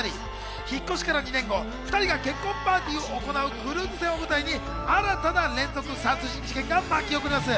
引っ越しから２年後、２人が結婚パーティーを行うクルーズ船を舞台に、新たな連続殺人事件が巻き起こります。